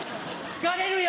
疲れるよ！